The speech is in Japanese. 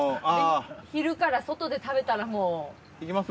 昼から外で食べたらもう。いきます？